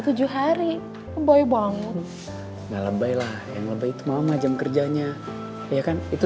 tujuh hari bye bye banget enggak lebay lah yang lebih itu mama jam kerjanya ya kan itu